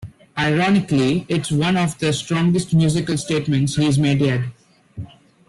Ironically, it's one of the strongest musical statements he's made yet.